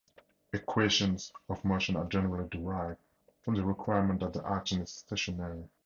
Equations of motion are generally derived from the requirement that the action is stationary.